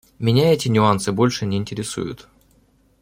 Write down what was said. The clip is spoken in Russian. Меня эти нюансы больше не интересуют.